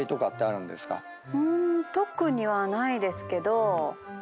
特にはないですけど。